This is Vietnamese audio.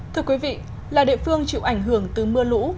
thưa quý vị là địa phương chịu ảnh hưởng từ mưa lũ